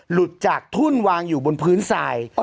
หลุดจากทุ่นวางอยู่บนพื้นทราย